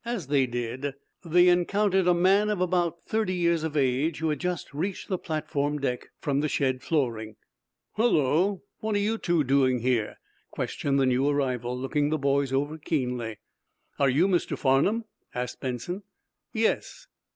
As they did so they encountered a man of about thirty years of age who had just reached the platform deck from the shed flooring. "Hullo, what are you two doing here?" questioned the new arrival, looking the boys over keenly. "Are you Mr. Farnum?" asked Benson. "Yes.